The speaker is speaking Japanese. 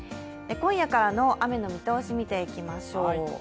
今夜からの雨の見通し、見ていきましょう。